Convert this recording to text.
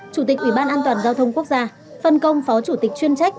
chủ tịch ủy ban an toàn giao thông quốc gia phân công phó chủ tịch chuyên trách